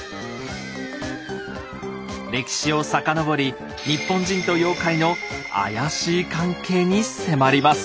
歴史を遡り日本人と妖怪の怪しい関係に迫ります。